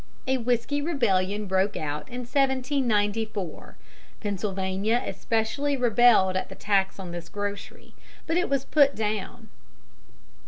A Whiskey Rebellion broke out in 1794. Pennsylvania especially rebelled at the tax on this grocery, but it was put down.